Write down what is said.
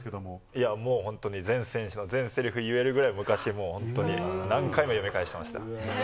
いや、もう、本当に全選手の全せりふ言えるぐらい、昔もう本当に、何回も読み返してました。